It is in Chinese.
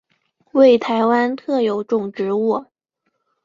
为台湾特有种植物。